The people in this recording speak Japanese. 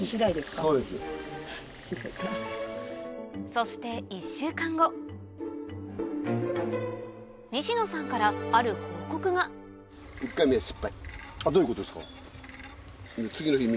そして西野さんからどういうことですか？